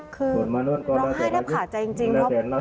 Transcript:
คือร้องไห้ได้ผ่าใจจริง